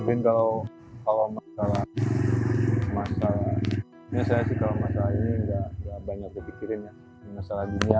bingkau kalau masalah masalahnya saya sih kalau masalah ini enggak banyak dipikirin masalah dunia